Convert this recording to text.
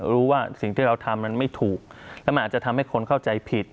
รู้ว่าสิ่งที่เราทำมันไม่ถูกแล้วมันอาจจะทำให้คนเข้าใจผิด